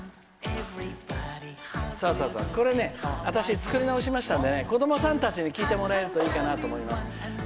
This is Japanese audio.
これね、私作り直しましたので子どもさんたちに聴いてもらえるといいかなと。